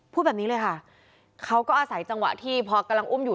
พูดแบบนี้เลยค่ะเขาก็อาศัยจังหวะที่พอกำลังอุ้มอยู่